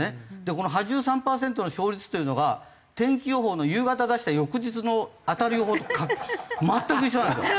この８３パーセントの勝率っていうのが天気予報の夕方出した翌日の当たる予報と全く一緒なんですよ！